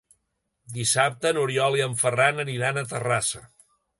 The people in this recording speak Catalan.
Dissabte n'Oriol i en Ferran aniran a Terrassa.